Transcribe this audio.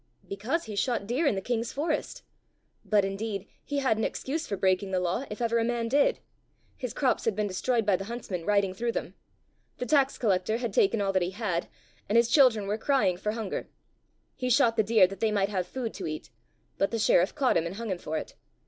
"Because he shot deer in the king's forest. But indeed he had an excuse for breaking the law if ever a man did. His crops had been destroyed by the huntsmen riding through them. The tax collector had taken all that he had, and his children were crying for hunger. He shot the deer that they might have food to eat; but the sheriff caught him and hung him for it.